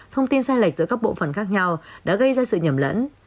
thông tin sai lệch giữa các bộ phận khác nhau đã gây ra sự nhầm lẫn